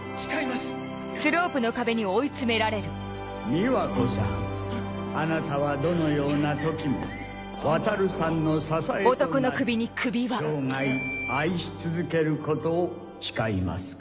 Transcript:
美和子さんあなたはどのような時も渉さんの支えとなり生涯愛し続けることを誓いますか？